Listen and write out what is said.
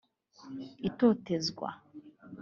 itotezwa